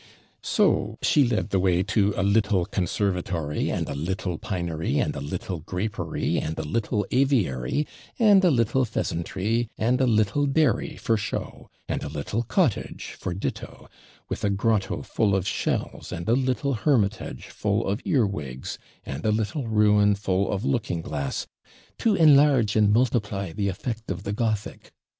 So she led the way to a little conservatory, and a little pinery, and a little grapery, and a little aviary, and a little pheasantry, and a little dairy for show, and a little cottage for ditto, with a grotto full of shells, and a little hermitage full of earwigs, and a little ruin full of looking glass, 'to enlarge and multiply the effect of the Gothic.'